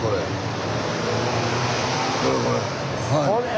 これこれ。